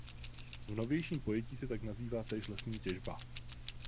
V novějším pojetí se tak nazývá též lesní těžba.